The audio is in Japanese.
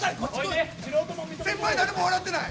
先輩誰も笑ってない。